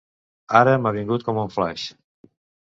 Ara m'ha vingut com un flaix.